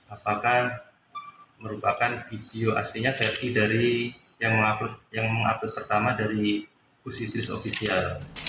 apakah merupakan video aslinya versi yang mengupload pertama dari kursi idris ofisial